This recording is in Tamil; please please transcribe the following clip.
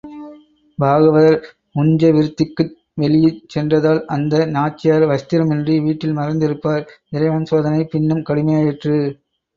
பாகவதர் உஞ்ச விருத்திக்கு வெளியில் சென்றால் அந்த நாச்சியார் வஸ்திரமின்றி வீட்டில் மறைந்திருப்பார், இறைவன் சோதனை பின்னும் கடுமையாயிற்று.